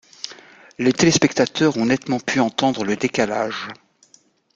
Les téléspectateurs ont nettement pu entendre le décalage.